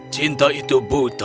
cinta itu buta